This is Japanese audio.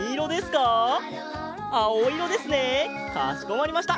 かしこまりました。